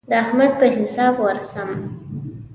د احمد په حساب ورسم.